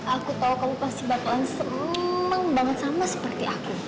aku tahu kamu pasti bakalan senang banget sama seperti aku